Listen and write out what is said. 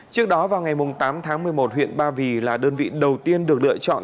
trước đó vào ngày tám tháng một mươi một huyện ba vì là đơn vị đầu tiên được lựa chọn